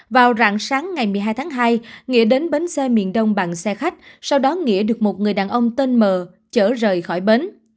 vào rạng sáng ngày một mươi hai tháng hai nghĩa đến bến xe miền đông bằng xe khách sau đó nghĩa được một người đàn ông tên m chở rời khỏi bến